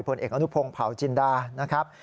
ผลเอกอนุพงศ์เผาจินดานะครับ